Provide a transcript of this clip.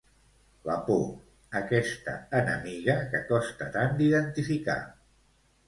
La por, aquesta enemiga que costa tant d'indentificar.